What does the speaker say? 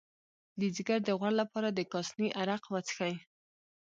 د ځیګر د غوړ لپاره د کاسني عرق وڅښئ